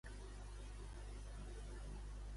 Considera que ell que té una situació favorable?